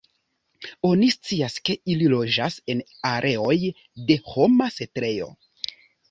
Oni scias, ke ili loĝas en areoj de homa setlejo.